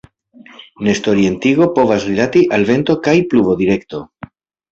Nestorientigo povas rilati al vento kaj pluvodirekto.